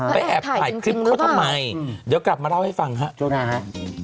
ไปแอบถ่ายคลิปเขาทำไมเดี๋ยวกลับมาเล่าให้ฟังครับโชคด้านหา